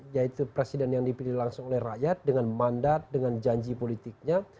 yaitu presiden yang dipilih langsung oleh rakyat dengan mandat dengan janji politiknya